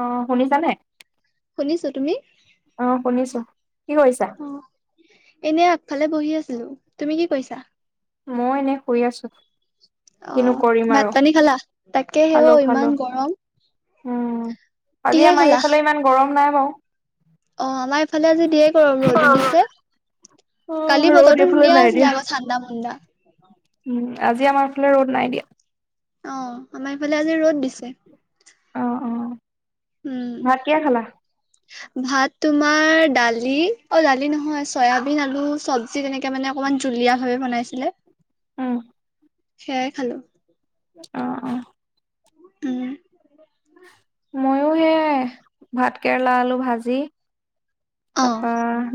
অ শুনিছানে শুনিছো তুমি অ শুনিছো কি কৰিছা অ', এনে আগফালে বহি আছিলো তুমি কি কৰিচা? মই এনে শুই আছো। কিনো অ', কৰিম ভাত আৰু পানী খালা তাকে ঔ খালো খালো ইমান গৰম। উম, আজি কিহে আমাৰ খালা? এইফালে ইমান গৰম নাই বাৰু। অ', আমাৰ এইফালে আজি ধেৰ গৰম ৰ'দো দিছে। অ', কালি ৰ'দ বতৰটো এইফালে ধুনীয়া নাই আছিলে দিয়া। আকৌ ঠাণ্ডা মাণ্ডা। উম, আজি আমাৰ ফালে ৰ'দ নাই দিয়া। অ', আমাৰ ইফালে আজি ৰ'দ দিছে। অ', অ', ভাত কিহে খালা? উম। ভাত তোমাৰ দালি অ', দালি নহয় চয়াবিন আলু চব বি তেনেকে মানে অকণমান জুলীয়াভাৱে বনাইছিলে। উম। সেয়াই খালো। অ অ', উম মইও সে ভাত কেৰেলা আলু ভাজি অ' তাপা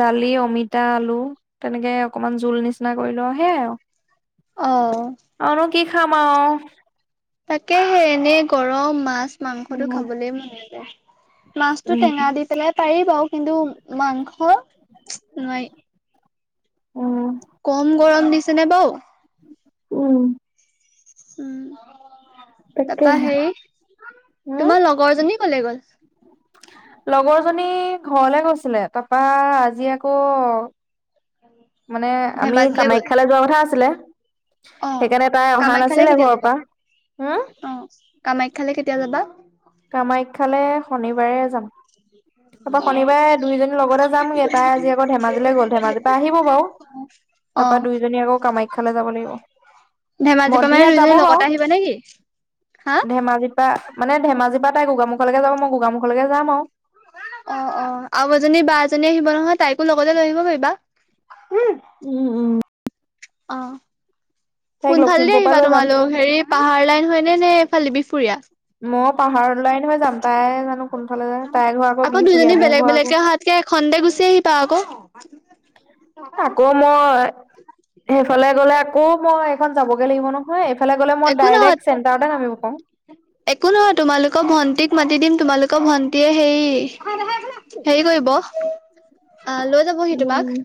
দালি অমিতা আলু তেনেকে অকমান জোল নিচিনা কৰি লওঁ সেয়াই আৰু। অ' আৰুনো কি খাম আৰু। তাকে হে এনেই গৰম মাছ মাংসতটো উম, খাবলৈ মন নাযায়। মাছটো টেঙা উম, দি পেলাই পাৰি বাৰু কিন্তু মাংস নোৱাৰি। উম। কম গৰম দিছেনে বাৰু। উম। উম, তাৰাপা তাকেহে। হেৰি উম? তোমাৰ লগৰ জনী কলে গ'ল? লগৰ জনী ঘৰলে গৈছিলে তাৰপা আজি আকৌ মানে আমি ধেমাজিলে গ'ল কামাখ্যালৈ যোৱা কথা আছিলে। অ সেইকাৰণে তাই অহা কামাখ্যালে নাছিলে কেতিয়া ঘৰৰ যাবা পৰা হম। অ কামাখ্যালে কেতিয়া যাবা? কামাখ্যালে শনিবাৰে যাম। [inaudible] তাৰপৰা অ শনিবাৰে দুইজনীৰ লগতে যামগে তাই আজি আকৌ ধেমাজিলৈ গ'ল ধেমাজিৰ পৰা আহিব বাৰু। তাৰ অ পৰাৰা দুইজনী আকৌ কামাখ্যালৈ যাব লাগিব। ধেমাজিৰ পৰা মানে ভণ্টিহত যাব দুইজনী বাৰু লগতে আহিবা নে কি হা ধেমাজিত মানে ধেমাজি পৰা তাই গোগামুখলৈকে যাব মই গোগামুখলেকে যাম আৰু। অ', অ', আৰু এজনী বা এজনী আহিব নহয় তাইকো লগতে লৈ আহিব পাৰিবা। উম। উম অঁ'। তাইক কোনফালেদি লখিমপুৰ পৰা আহিবা লৈ যাম তোমালোক হেৰি পাহাৰ লাইন হয়নে নে এইফালে মই পাহাৰ লাইন হৈ যাম তাই বিহপুৰীয়া? জানো কোনফালে যায় তাইৰ ঘৰ আকৌ বিহপুৰীয়া দুজনী মোৰ ঘৰ বেলেগ আকৌ বেলেগকে অহাত কে এখনতে গুচি আহিবা আকৌ। আকৌ মই সেইফালে গলে আকৌ মই এইখন যাবগে লাগিব ন' মই এইফালে গ'লে মই একো নহয় ডাইৰেক্ট চেণ্টাৰতে নামিব পাৰো। একো নহয়, তোমালোকৰ ভণ্টিক মাতি দিম, তোমালোকৰ ভণ্টিয়ে হেৰি হেৰি কৰিব লৈ যাবহি তোমাক উম,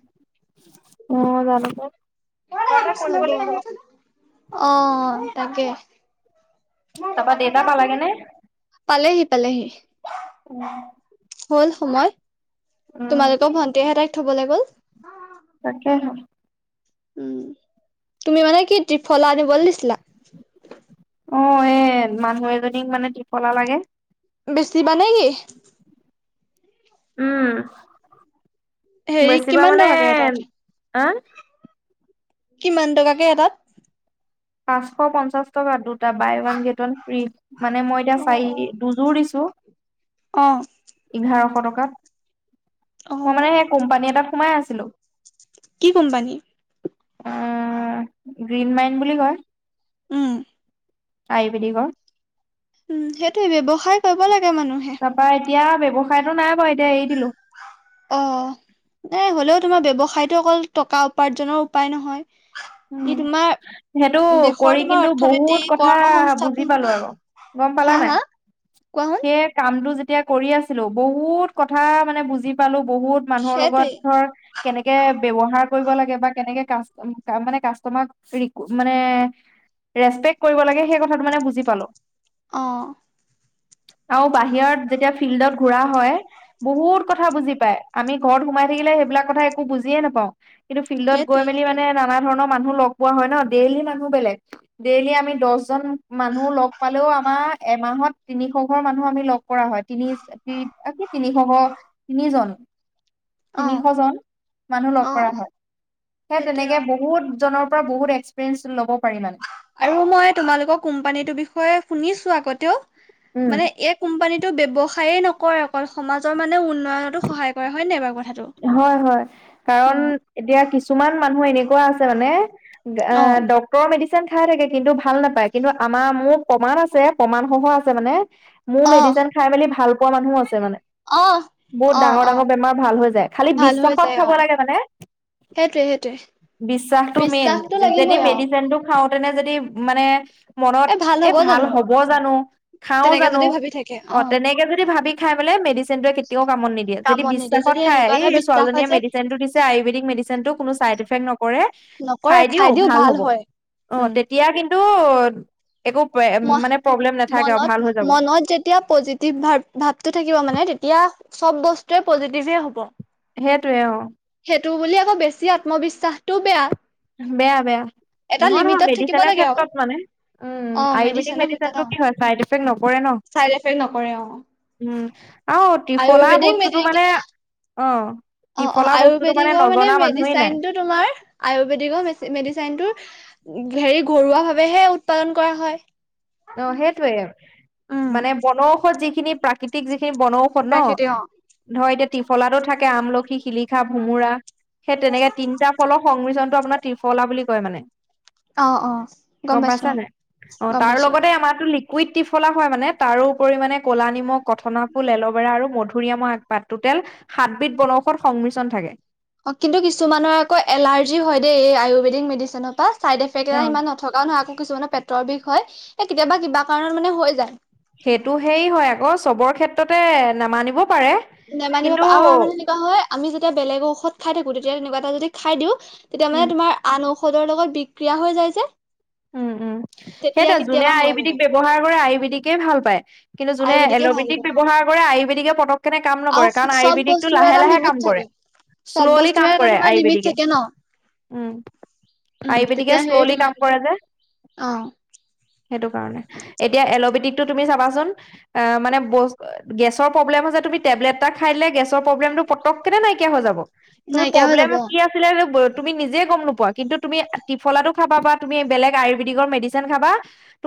অ', জানো পাই। কিবা এটা কৰিব লাগিব। হেল্ল? অ', অ', তাকে। তাৰপা দেউতা পালাগে নে? পালেহি - পালেহি। উম। হল সময়, তোমালোকে ভণ্টি এহে তাইক থবলৈ গল। তাকেহে। উম, তুমি মানে কি ত্ৰিফলা আনিব দিছিলা? অঁ', এই মানুহ এজনীক মানে ত্ৰিফলা লাগে। বেছিবা নেকি? উম হেৰি বেছিবা কিমান মানে টকাকে এটাত আ! কিমান টকাকে এটাত? পাঁচশ পঞ্চাশ টকা দুটা, buy one get one free. মানে মই এতিয়া চাই দুযোৰ দিছো। অ ইঘাৰশ টকাত, অ মই মানে সেই কোম্পানী এটাত সোমাই আছিলো। কি কোম্পানী? আ', গ্ৰীণ মাইন বুলি কয়। উম। আয়ুৰ্বেদিকৰ। উম, সেইটোয়ে ব্যৱসায় কৰিব লাগে মানুহে। তাৰাপা এতিয়া ব্যৱসায়টো নাই বাৰু এতিয়া এৰি দিলোঁ। অ'হ মানে হ'লেও তোমাৰ ব্যৱসায়তো অকল টকা উপাৰ্জনৰ উপায় নহয়। ই উম, তোমাৰ সেইটো দেশৰ কৰি তোমাৰ কিন্তু অৰ্থনীতি বহুত কথা কৰ্ম বুজি সংস্থাপন পালো আকৌ। গম হা পালা হা নাই? কোৱা শুন সেই কামটো যেতিয়া কৰি আছিলো, বহুত কথা মানে বুজি পালো বহুত মানুহৰ লগত সেইটোৱে ধৰ, কেনেকে ব্যৱহাৰ কৰিব লাগে বা কেনেকে কাষ্টম কা মানে কাষ্টমাক ৰি মানে ৰেচপেক্ট কৰিব লাগে সেই কথাটো মানে বুজি পালো। অ'। আৰু বাহিৰত যেতিয়া ফিল্ডত ঘুৰা হয়, বহুত কথা বুজি পাই, আমি ঘৰত সোমাই থাকিলে সেইবিলাক কথা একো বুজিয়ে নাপাওঁ কিন্তু ফিল্ডত গৈ সেইটোৱে মেলি মানে নানা ধৰণৰ মানুহ লগ পোৱা হয় ন, ডেইলি মানুহ বেলেগ। ডেইলি আমি দছজন মানুহ লগ পালেও আমাৰ এমাহত তিনিশ ঘৰ মানুহ আমি লগ কৰা হয়, তিনিশ তি এ কি তিনিশ ঘৰ তিনি জন। অ তিনিশজন মানুহ লগ অ অ কৰা হয়। সেই সেইটোৱে তেনেকে অ বহুত জনৰ পৰা বহুত এক্সপিৰিয়েঞ্চ ল'ব পাৰি মানে। আৰু মই তোমালোকৰ কোম্পানীটোৰ বিষয়ে শুনিছো আগতেও উম মানে এক কোম্পানীটো ব্যৱসায়ে নকৰে, অকল সমাজৰ মানে উন্নয়নতো সহায় কৰা হয় নে এই বাৰু কথাটো? হয় হয়। অ কাৰণ এতিয়া কিছুমান মানুহ এনেকুৱা আছে মানে গা অ ড তৰ মেডিচিন খাই থাকে কিন্তু ভাল নাপায় কিন্তু আমাৰ মোৰ প্ৰমাণ আছে, প্ৰমাণসহ আছে মানে মোৰ অ মেডিচিন খাই মেলি ভাল পোৱা মানুহো আছে মানে অ বহুত অ ডাঙৰ - অ ডাঙৰ বেমাৰ ভাল হৈ যায়। খালি ভাল বিশ্বাসত হৈ যায় খাব অ লাগে মানে। সেইটোৱে সেইটোৱে বিশ্বাসটো মেইন বিশ্বাসটো যদি লাগিবই মে আৰু ডিচিনটো খাওঁতেনে যদি মানে মনত এ ভাল হ'ব জানো খাও তেনেকে জানো যদি ভাবি থাকে অ', তেনেকে যদি ভাবি খাই পেলাই মেডিচিনটোৱে কেতিয়াও কামত নিদিয়ে যদি কামত নিদিয়ে বিশ্বাসত যদি খাই এনেকুৱা এই এটা বিশ্বাস হয় ছোৱালজনীয়ে যে মডিচিনটো দিছে আয়ুৰ্বেদিক মেডিচিনটো কোনো চাইড এফেক্ট নকৰে। খাই দিও ভাল হ'ব। অঁ উম। তেতিয়া কিন্তু একো মই মানে প্ৰব্লেম নাথাকে আৰু ভাল হৈ যাব। তেতিয়া পজিটিভ ভাৱ ভাৱটো থাকিব মানে তেতিয়া চব বস্তুৱে পজিটিভে হ'ব। সেইটোৱে অঁ। সেইটো বুলি আকৌ বেছি আত্মবিশ্বাসটোও বেয়া। বেয়া বেয়া, এটা নহয় নহয় লিমিটত থাকিব মেডিচিনৰ লাগে আৰু ক্ষেত্ৰত মানে। উম, অ আয়ুৰ্বেদিক মেডিচিনৰ ভিতৰত অ মেডিচিনটো কি হয় চাইড এফেক্ট নপৰে ন'। চাইড এফেক্ট নকৰে অ উম, আৰু ত্ৰিফলা আয়ুৰ্বেদিক বস্তুটো মেডি মানে অঁ অ অ ত্ৰিফলা বস্তুটো মানে আয়ুৰ্বেদিকৰ নজনা মানুহেই নাই। মেডিচাইনটো তোমাৰ আয়ুৰ্বেদিকৰ মেডিচিনটো হেৰি ঘৰুৱা ভাৱেহে উৎপাদন কৰা হয়। অঁ সেইটোয়ে, উম মানে বনৌষধ যিখিনি প্ৰাকৃতিক যিখিনি বনৌ ষধ ন। প্ৰাকৃতি অ ধৰ এতিয়া ত্ৰিফলাতো থাকে আমলখি, শিলিখা, ভোমোৰা। সেই তেনেকে তিনিটা ফলৰ সংমিশ্ৰণটো আপোনাৰ ত্ৰিফলা বুলি কয় মানে। অ অ গম পাইছ পাইছো অ নাই? অঁ, গম তাৰ পাইছো লগত আমাৰতো লিকুইড ত্ৰিফলা হয় মানে, তাৰোওপৰি মানে ক'লা নিমখ, কঠনা ফুল, এল'ভেৰা আৰু মধুৰিআমৰ আগ পাত, টোটেল সাতবিধ বনৌষধ সংমিশ্ৰণ থাকে। কিন্তু কিছুমানৰ আকৌ এলাৰ্জি হয় দেই। এই আয়ুৰ্বেদিক মেডিচিনৰ পৰা চাইড এফেক্ট এটা অ ইমান থকাও নহয় আকৌ কিছুমানৰ পেটৰ বিষ হয় এ কেতিয়াবা কিবা কাৰণত মানে হৈ যায়। সেইটো সেই হয় আকৌ চবৰ ক্ষেত্ৰতে নামানিব পাৰে। নেমানিব কিন্তু পাৰে। আৰু মানে তেনেকুৱা হয় আমি যেতিয়া বেলেগৰ ঔষধ খাই থাকো তেতিয়া তেনেকুৱা এটা যদি খাই দিওঁ তেতিয়া উম মানে তোমাৰ আন ঔষধৰ লগত বিক্ৰিয়া হৈ যায় যে। তেতিয়া সেইটোয়ে যোনে কেতিয়াবা হয় মানে আয়ুৰ্বেদিক ব্যৱহাৰ কৰে আয়ুৰ্বেদিকে ভাল পায়। কিন্তু যোনে আয়ুৰ্বেদিকে ভাল এল'বেদিক কৰে ব্যয়ৱহাৰ কৰে, আয়ুৰ্বেদিকে পতক কেনে কাম নকৰে আৰু কাৰণ চব আয়ুৰ্বেদিকতটো বস্তুৰে লাহে এটা লাহে কাম লিমিট কৰে। থাকে চব শ্ল'লি বস্তুৰে কাম এটা কৰে তোমাৰ লিমিট আয়ুৰ্বেদিকে। থাকে ন উম [inaudible] আয়ুৰ্বেদিকে, শ্ললি কাম কৰে যে। অঁ। সেইটো কাৰণে এতিয়া এল'বেটিকটো তুমি চাবাচোন অ মানে বস্ত গেছৰ প্ৰব্লেম হৈছে তুমি টেবলেট এটা খাই দে গেছৰ প্ৰব্লেমটো পতকে নাইকিয়া হৈ যাব। তুমি নাইকিয়া হৈ প্ৰব্লেম যাব অ কি আ ছিলে তুমি নিজে গম নোপোৱা কিন্তু তুমি ত্ৰিফলাটো খাবা বা তুমি বেলেগ আয়ুৰ্বেদিকৰ মেডিচিন খাবা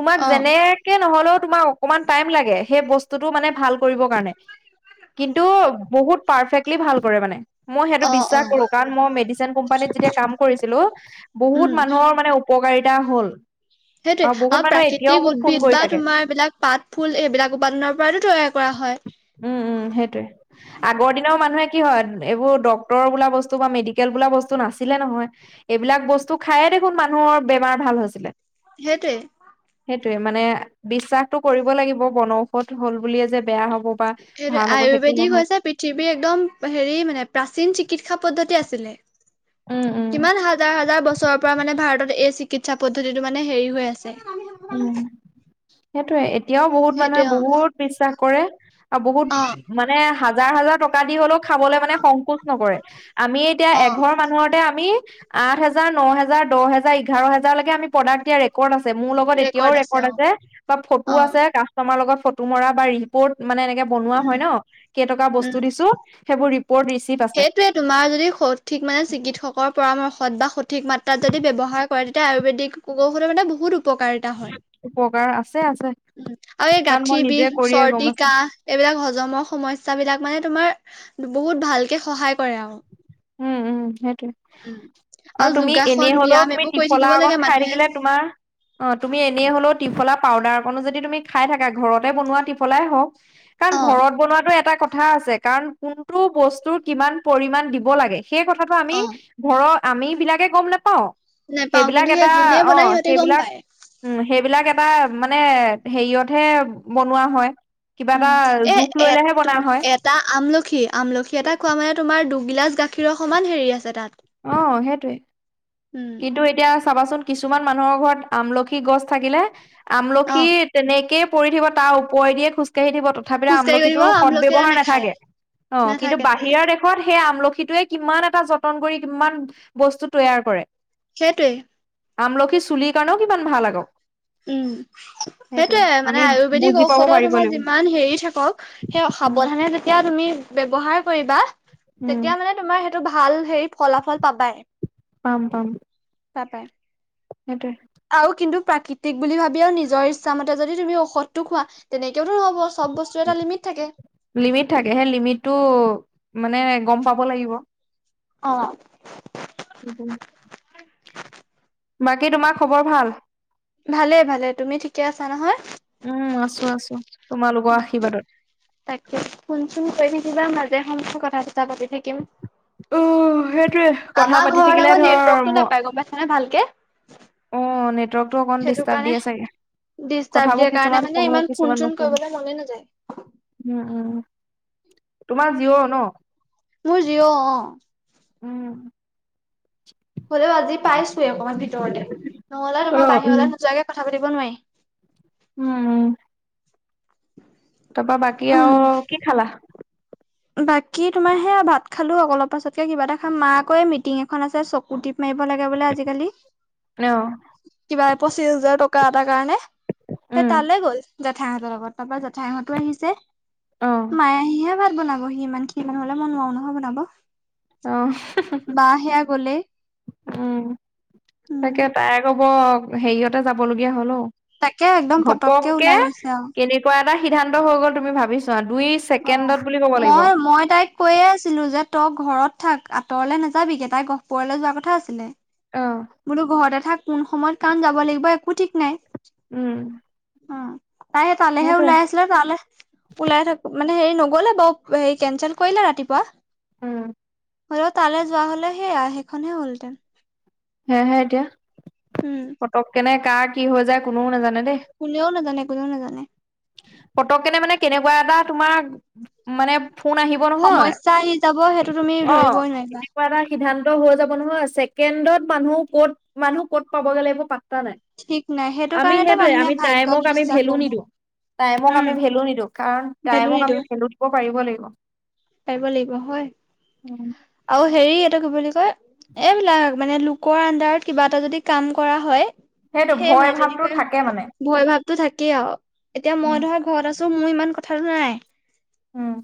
তোমাক যেনে কে নহলেও তোমাৰ অকমান টাইম লাগে সেই বস্তুটো মানে ভাল কৰিবৰ কাৰণে। কিন্তু বহুত পাৰফেক্টলি ভাল কৰে মানে। মই সেইটো অ অ বিশ্বাস কৰো কাৰণ মই মেডিচিন কোম্পানীত যেতিয়া কাম কৰিছিলো উম বহুত মানুহৰ মানে উপকাৰিতা হ'ল। সেইটোয়ে বহুত আৰু মানুহে এতিয়াও প্ৰাকৃতিক মোক ফোন উদ্ভিদ কৰি বা থাকে তোমাৰ এইবিলাক পাত ফুল এইবিলাক উপাদানৰ পৰাতো তৈয়াৰ কৰা হয়। উম উম, সেইটোৱে। আগৰ দিনাও মানুহে কি হয় এইবোৰ ডক্টৰ বোলা বস্তু বা মেডিকেল বোলা বস্তু নাছিলে নহয়। এইবিলাক বস্তু খায়ে দেখোন মানুহৰ বেমাৰ ভাল হৈছিলে। সেইটোৱে। সেইটোৱে মানে বিশ্বাসতটো কৰিব লাগিব বনৌষধ হ'ল বুলিয়ে যে বেয়া হ'ব বা ভাল হ'ব সেইটো আয়ুৰ্বেদিক নহয় হৈছে পৃথিৱীৰ একদম হেৰি মানে প্ৰাচীন চিকিৎসা পদ্ধতি আছিলে। উম উম কিমান হাজাৰ হাজাৰ বছৰৰ পৰা মানে ভাৰতত এই চিকিৎসা পদ্ধতিটো মানে হেৰি হৈ আছে। উম সেইটোৱে এতিয়াও বহুত মানুহে সেইটোৱে বহুত বিশ্বাস কৰে আৰু বহুত অ' মানে হাজাৰ হাজাৰ টকা দি হ'লেও খাবলৈ মানে সংকোচ নকৰে, আমি এতিয়া অ অ এঘৰ মানুহতে আমি আঠ হাজাৰ, ন' হেজাৰ, দহ হজাৰ, এঘাৰ হাজাৰলৈকে আমি প্ৰডাক দিয়া ৰেকৰ্ড আছে মোৰ লগত এতিয়াও ৰেকৰ্ড আছে বা ফটো অ', আছে কাষ্টমাৰৰ লগত ফটো মাৰা বা ৰিপৰ্ট মানে এনেকে বিনোৱা হয় উম, ন' কেইটকা বস্তু উম। দিছোঁ সেইবোৰ ৰিপৰ্ট ৰি সেইটোৱে তোমাৰ যদি সঠিক মানে চিকিৎসকৰ পৰামৰ্শত বা সঠিক মাত্ৰাত যদি ব্যৱহাৰ কৰে তেতিয়া আয়ুৰ্বেদিক [unintelligible] মানে বহুত উপকাৰ তা হয় উপকাৰ আছে আছে উম, আৰু এই কাৰণ মই গাঁঠিৰ নিজে বিষ, কৰিয়ে গম চৰ্দি আছো কাহ এইবিলাক হজমৰ সমস্য বিলাক মানে তোমাৰ বহুত ভালকে সহায় কৰে আৰু। উম, উম সেইটোৱে। উম। অ আৰু তুমি যোগাসন, এনেই হ'লেও ব্যায়াম তুমি এইবোৰ কৰি টিফলা থাকিব অকণ লাগে খাই মানুহে থাকিলে তোমাৰ অ তুমি এনেই হ'লেও টিফলা পাউদাৰকনো যদি তুমি খাই থাকা ঘৰতে বনোৱা টিফলাই হওক [inaudible] অ', কাৰণ ঘৰত বনোৱাটো এটা কথা আছে কাৰণ কোনটো বস্তুৰ কিমান পৰিমমানণ দিব লাগে সেই কথাটো আমি অ', ঘৰৰ আমি বিলাকে গ'ম নাপাওঁ। নেপাও সেইবিলাক কিন্তু এটা সেই যোনে অ বনাই সিহঁতে গম সেইবিলাক পায়। উম সেইবিলাক এটা মানে হেৰিয়তহে বনোৱা হয়। কিবা এটা জোখ লৈ লৈ হে বনৱা হয়। তা আমলখি, আমলখি এটা খোৱা মানে তোমাৰ দুগিলাচ গাখীৰৰ সমান হেৰি আছে তাত। অ সেইটোৱে, উম কিন্তু এতিয়া চাবাচোন কিছুমান মানুহৰ ঘৰত আমলখি গছ থাকিলে, অ আমলখি তেনেকেই পৰি থাকিব তাৰ ওপৰে দিয়ে খোজকাঢ়ি দিব তথাপিতো খোজকাঢ়ি গৈ থাকিব আমলখিটোৰ সদ আমলখি এটা ব্যয়ৱহাৰ নাখায় নাথাকে। অ কিন্তু নাথাকে নাথাকে বাহিৰৰ দে ত সেই আমলখিটোৱে কিমান এটা যতন কৰি কিমান বস্তু তৈয়াৰ কৰে। সেইটোৱে। আমলখি চুলিৰ কাৰণেও কিমান ভাল আকৌ। উম সেইটোয়ে মানে আমি আয়ুৰ্বেদিক বুজি পাব ঔষধৰ পাৰিব তোমাৰ লাগিব যিমান হেৰি থাকক সেই উম সাৱধানে যেতিয়া তুমি ব্যৱহাৰ কৰিবা উম তেতিয়া মানে তোমাৰ সেইটো ভাল হেৰি ফলাফল পাবাই। পাম পাম। [inaudible] সেইটোৱে। আৰু কিন্তু প্ৰাকৃতিক বুলি ভাবিও নিজৰ ইচ্ছামতে যদি তুমি ঔষধটো খোৱা তেনেকেওতো নহ'ব চব বস্তু এটা লিমিট থাকে। লিমিট থাকে, সেই লিমিটটো মানে গম পাব লাগিব। অ নিপিন্ধা বাকী তোমাৰ খবৰ ভাল ভালে ভালে তুমি ঠিকে আছা নহয় উম আছো আছো তোমালোকৰ আশীৰ্বাদত তাকে ফোন চোন কৰি থাকিবা মাজে সময়ে কথা চথা পাতি থাকিম উম সেইটোৱে কথা আমাৰ পাতি ঘৰত থাকিলে আক ধৰ নেটৱৰ্কটো ম নাপায় গম পাইছনে ভালকে অ নেটৱৰ্কটো অকণ সেইটো ডিষ্টাৰ্ব কাৰণে দিয়ে চাগে ডিষ্টাৰ্ব কথাবোৰ দিয়াৰ কাৰণে কিছুমান মানে শুনো ইমান ফোন কিছুমান চোন নুশুনো কৰিবলৈ মনে নাযায়। উম উম তোমাৰ জিঅ ন মোৰ জিৱ অ উম [unintelligible] হলেও আজি পাইছোৱে অকমান ভিতৰতে নহলে অ তোমাৰ উম বাহিৰলৈ নোযোৱাকে কথা পাতিব নোৱাৰি উম [inaudible] তাপা বাকী উম আৰু কি খালা বাকী তোমাৰ সেয়া ভাত খালো অলপ পাছতকে কিবা এটা খাম মা আক মিটিং এখন আছে পুতিপ মাৰিব লাগে বোলে আজিকালি অ কিবা পঁচিশ হাজাৰ টকা এটাৰ কাৰণে উম সেই তালৈ গ'ল জাঠাইহঁতৰ লগত তাপা ঠাইহঁতো আহিছে অ মায়ে আহিহে ভাত বনাব সি ইমান খিনি মানু্হহলে মন নোৱাৰো নহয় বনাব অ বা সেয়া গলেই উম উম তাকে তাই আক হেৰিয়তে যাবলগীয়া হল অ তাকে একদম পতককে ঘপককে ওলাই গৈছে আৰু কে কোৱা এটা সিদ্ধান্ত হৈ গ'ল তুমি ভাবিছোৱা দুই অ ছেকেণ্ডত বুলি ক'ব লাগিব মই মই তাইক কৈয়ে আছিলো যে তই ঘৰত থাক আঁতৰলে নাযাবিগে তাই গহপুৰলে যোৱা কথা আছিলে অ বোলো ঘৰতে থাক কোন সময়ত কাৰণ যাব লাগিব একো ঠিক নাই উম উম তাই তালেহে সেইটোৱে ওলাই আছে লে তালে ওলাই থাকোতে মানে হেৰি নগলে বাৰু হেৰি কেন্চেল কৰিলে ৰাতিপুৱা উম হলেও তালৈ যোৱা হলে সেয়া সেইখন হে হ'লহেঁতেন সেয়েহে এতিয়া উম পতককেনে কাৰ কি হৈ যায় কোনো নাজানে দেই কোনেও নাজানে কোনেও নাজানে পতককেনে মানে কেনেকুৱা এটা তোমাৰ মানে ফোন আহি হৱ নহয় সমস্যা আহি যাব সেইটো তুমি অ ধৰিবই নোৱাৰিবা। এনেকুৱা এটা সিদ্ধান্ত হৈ যাব নহয় ছেকেণ্ডত মানুহ ক'ত মানুহ ক'ত পাবগৈ লাগিব পাত্তা নাই ঠিক নাই সেইটো আমি কাৰণেতো সেইটোয়ে মানুহে আমি ভাগ্যক টাইমক আমি বিশ্বাস ভেলু কৰো নিদো টাইমক উম আমি ভেলু নিদো কাৰণ ভেলু টাইমক নিদিওঁ আমি ভেলু দিব পাৰিব লাগিব পাৰিব লাগিব হয় আৰু হেৰি এইটো কি বুলি কয় এইবিলাক মানে লোকৰ আন্ডাৰত কিবা এটা যদি কাম কৰা হয় সেইটো সেই ভয় মানে ভাৱটো তেনেকোৱাই থাকে হৈছে। মানে ভয় ভাৱতো থাকেই আৰু এতিয়া উম মই ধৰা ঘৰত আছো মোৰ ইমান কথাটো নাই। উম,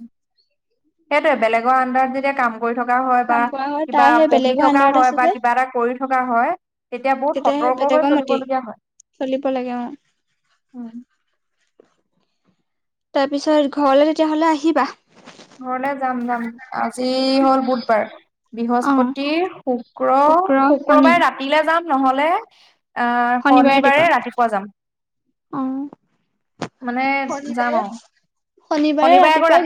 সেইটোয়ে বেলেগৰ আণ্ডাৰত যেতিয়া কাম কৰি থকা হয় বা কাম কৰা হয় কিবা তাই সেই পঢ়ি বেলেগৰ থকা আণ্ডাৰত হয় আছে বা যে কিবা এটা কৰি থকা হয় তেতিয়া বহুত সেই সতৰ্ক হৈ বেলেগৰ মতেই চলিবলগীয়া হয়। চলিব লাগে অ। উম। তাৰ পিছত ঘৰলৈ তেতিয়াহ'লে আহিবা? ঘৰলে যাম যাম। আজি হ'ল বুধবাৰ, অ বৃহস্পতিৰ, শুক্ৰ শুক্ৰ শনি শুক্ৰবাৰে ৰাত তিলে যাম নহলে আহ শনিবাৰে ৰাতিপুৱা যাম। অ মানে যাম শনিবাৰে আৰু, শনিবাৰে আকৌ ৰাতি